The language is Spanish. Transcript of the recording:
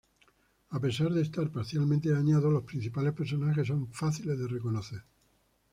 A pesar de estar parcialmente dañado, los principales personajes son fáciles de reconocer.